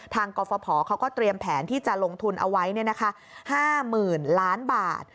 ทางกฟพเขาก็เตรียมแผนที่จะลงทุนเอาไว้เนี่ยนะคะ๕๐๐๐๐ล้านบาท